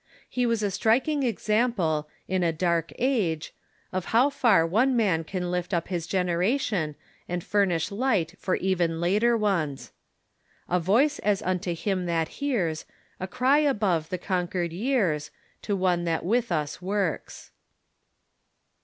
He was a striking example, in a dark age, of how far one man can lift up his gen eration, and furnish light for even later ones : "A voice as unto liim that hears, A cry above the conquered years, To one that with us works."